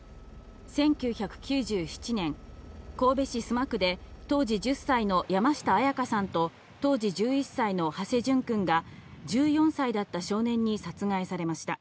１９９７年、神戸市須磨区で当時１０歳の山下彩花さんと当時１１歳の土師淳くんが１４歳だった少年に殺害されました。